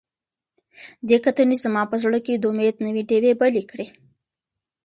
دې کتنې زما په زړه کې د امید نوې ډیوې بلې کړې.